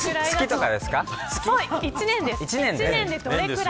１年で、どれくらい。